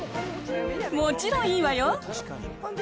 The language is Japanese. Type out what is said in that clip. もちろんいいわよ。